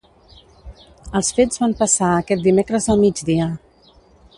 Els fets van passar aquest dimecres al migdia.